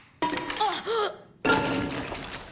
あっ！！